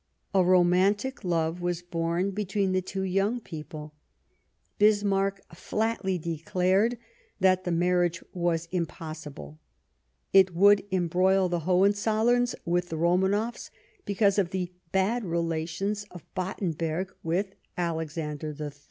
A romantic love was born between the two young people. Bismarck flatly declared that the marriage was impossible ; it would embroil the Hohenzollerns with the Romanovs because of the bad relations of Battenberg with Alexander III.